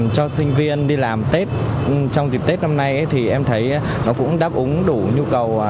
cho sinh viên đi làm tết trong dịp tết năm nay thì em thấy nó cũng đáp ứng đủ nhu cầu